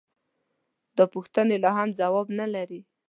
دا پوښتنې لا هم ځواب نه لري.